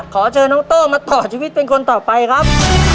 ขอเชิญน้องโต้มาต่อชีวิตเป็นคนต่อไปครับ